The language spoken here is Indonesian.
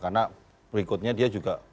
karena berikutnya dia juga